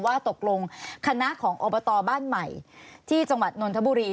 ว่าตกลงคณะของอบตบ้านใหม่ที่จังหวัดนนทบุรี